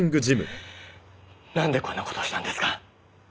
なんでこんな事をしたんですか？